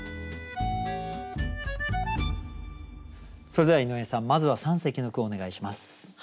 それでは井上さんまずは三席の句をお願いします。